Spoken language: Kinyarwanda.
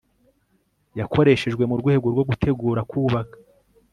yakoreshejwe mu rwego rwo gutegura kubaka